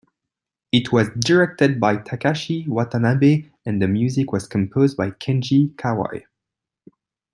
It was directed by Takashi Watanabe and the music was composed by Kenji Kawai.